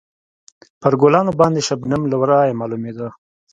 پر ګلانو باندې شبنم له ورایه معلومېده.